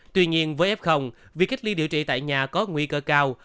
tuy nhiên với f việc cách ly điều trị tại nhà có nguy cơ cao